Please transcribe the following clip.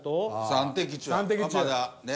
３的中はまだね。